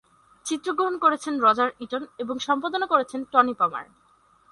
চিত্রগ্রহণ করেছেন Roger Eaton এবং সম্পাদনা করেছেন টনি পামার।